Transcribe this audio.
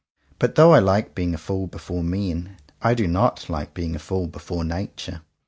But though I like being a fool before men, I do not like being a fool before Nature.